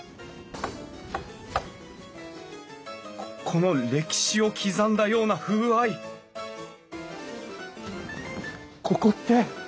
この歴史を刻んだような風合いここって！